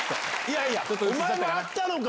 お前もあったのか！